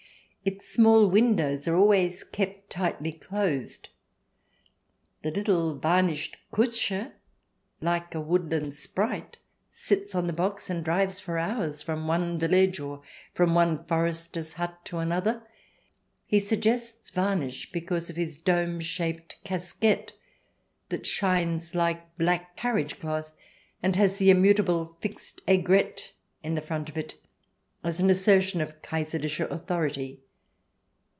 Its small windows are always kept tightly closed. The little varnished Kutscher, like a woodland sprite, sits on the box and drives for hours from one village, or from one forester's hut, to another. He suggests varnish, because of his dome shaped casquette that shines like black carriage cloth, and has the immutable fixed aigrette in the front of it as an assertion of Kaiserlicher authority.